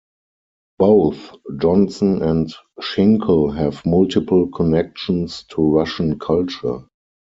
Both Johnson and Shinkle have multiple connections to Russian culture.